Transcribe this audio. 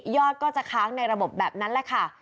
ก็จะค้างในระบบแบบนั้นแหละค่ะ